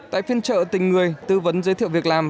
tại phiên trợ tình người tư vấn giới thiệu việc làm